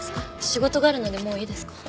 仕事があるのでもういいですか？